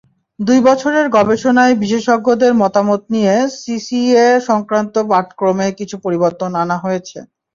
দুই বছরের গবেষণায় বিশেষজ্ঞদের মতামত নিয়ে এসিসিএ-সংক্রান্ত পাঠক্রমে কিছু পরিবর্তন আনা হয়েছে।